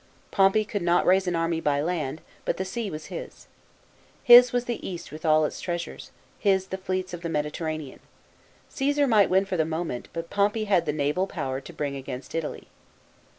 Pompey could not raise an army by land, but the sea was his. His was the East with all its treas ures, his the fleets of the Mediterranean. CiPsar might win for the moment, but Pompey had the naval power to bring against Italy.